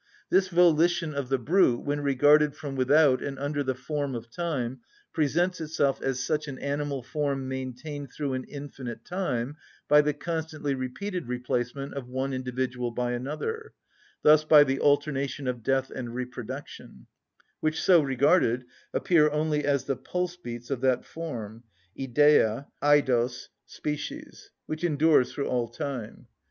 This volition of the brute, when regarded from without and under the form of time, presents itself as such an animal form maintained through an infinite time by the constantly repeated replacement of one individual by another, thus by the alternation of death and reproduction, which so regarded appear only as the pulse‐beats of that form (ιδεα, εἰδος, species) which endures through all time.